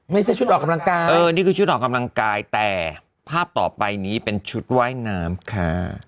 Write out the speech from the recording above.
ไม่ใช่ชุดออกกำลังกายเออนี่คือชุดออกกำลังกายแต่ภาพต่อไปนี้เป็นชุดว่ายน้ำค่ะ